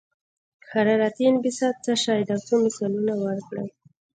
حرارتي انبساط څه شی دی او څو مثالونه ورکړئ.